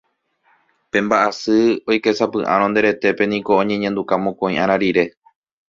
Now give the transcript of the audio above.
Pe mba'asy oikesapy'árõ nde retépe niko oñeñanduka mokõi ára rire